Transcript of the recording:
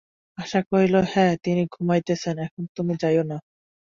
আশা কহিল, হাঁ, তিনি ঘুমাইতেছেন, এখন তুমি যাইয়ো না।